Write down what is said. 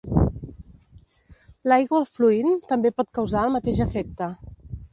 L'aigua fluint també pot causar el mateix efecte.